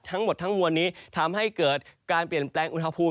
ทั้งหมดทั้งมวลนี้ทำให้เกิดการเปลี่ยนแปลงอุณหภูมิ